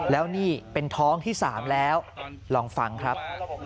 แล้วนี่เป็นท้องที่๓แล้วลองฟังครับ